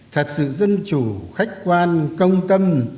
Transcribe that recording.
thật sự dân chủ khách quan công tâm